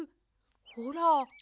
ほら。